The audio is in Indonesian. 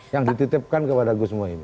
yang dititipkan kepada gue semua ini